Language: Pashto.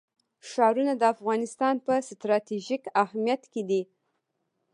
ښارونه د افغانستان په ستراتیژیک اهمیت کې دي.